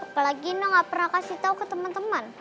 apalagi indah gak pernah kasih tau ke temen temen